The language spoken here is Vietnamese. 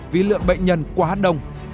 ví lượng bệnh nhân quá đông